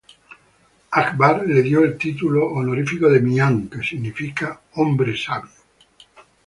Akbar le dio el título honorífico de Mian, que significa hombre sabio.